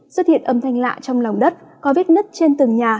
xuất hiện âm thanh lạ trong lòng đất có vết nứt trên từng nhà